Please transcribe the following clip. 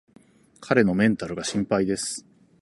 彼のメンタルが心配です